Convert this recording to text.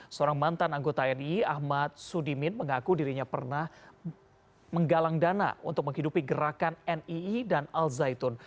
seorang mantan anggota nii ahmad sudimin mengaku dirinya pernah menggalang dana untuk menghidupi gerakan nii dan al zaitun